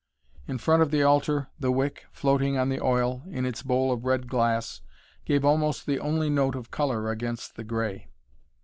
In front of the altar the wick, floating on the oil, in its bowl of red glass, gave almost the only note of color against the grey.